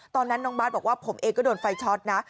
ตอนนั้นน้องบาทบอกว่าผมเองก็โดนไฟช็อตนะ